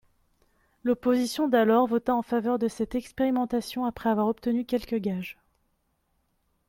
L’opposition d’alors vota en faveur de cette expérimentation après avoir obtenu quelques gages.